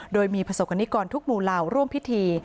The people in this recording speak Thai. โดยมีประสบกรณิกรทุกหมู่เหล่าร่วมพิธี